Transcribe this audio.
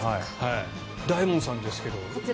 大門さんですけど。